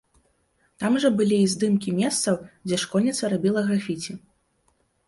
Там жа былі і здымкі месцаў, дзе школьніца рабіла графіці.